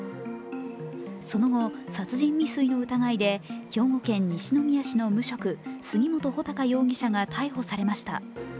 その後、殺人未遂の疑いで兵庫県西宮市の無職、杉本武尊容疑者が逮捕されました。